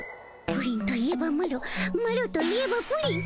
プリンといえばマロマロといえばプリン。